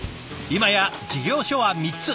今や事業所は３つ。